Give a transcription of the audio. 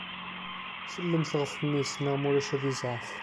Sellmet ɣef mmi-s, neɣ ma ulac ad izɛef.